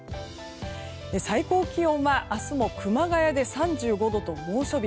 最高気温は明日も熊谷で３５度と猛暑日。